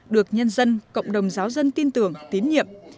được nhân dân cộng đồng giáo dân tin tưởng tín nhiệm